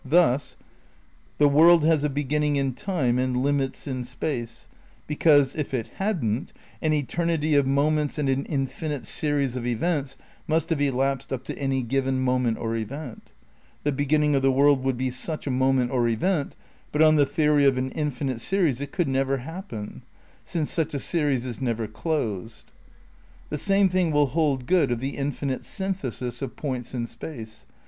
Thus: The world has a beginning in time and limits in space, because, if it hadn't, an eternity of moments and an infinite series of events must have elapsed up to any given moment or event ; the beginning of the world would be such a moment or event, but on the theory of an infinite series it could never happen, since such a IV THE CRITICAL PREPARATIONS 141 series is never closed. The same thing will hold good of the infinite synthesis of points in space.